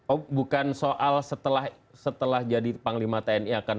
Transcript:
oh bukan soal setelah jadi panglima tni akan